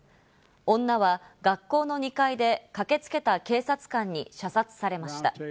女は学校の２階で、駆けつけた警察官に射殺されました。